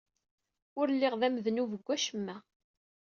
Ur lliɣ d amednub deg wacemma.